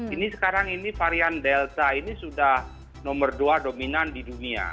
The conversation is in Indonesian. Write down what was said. ini sekarang ini varian delta ini sudah nomor dua dominan di dunia